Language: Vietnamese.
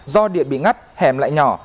do điện bị ngắt hẻm lại nhỏ